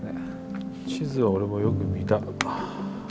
地図は俺もよく見た。